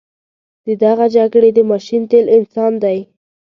د دغه جګړې د ماشین تیل انسان دی.